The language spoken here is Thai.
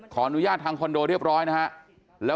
ขออนุญาตทางคอนโดเรียบร้อยนะฮะ